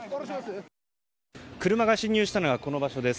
車が進入したのはこの場所です。